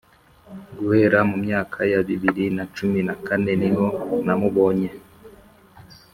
guhera mu myaka ya bibiri na cumi na kane niho namubonye